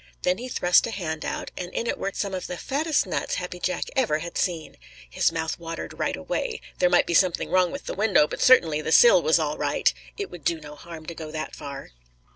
Then he thrust a hand out, and in it were some of the fattest nuts Happy Jack ever had seen. His mouth watered right away. There might be something wrong with the window, but certainly the sill was all right. It would do no harm to go that far.